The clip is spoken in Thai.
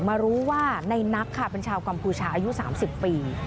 มารู้ว่าในนักค่ะเป็นชาวกัมพูชาอายุ๓๐ปี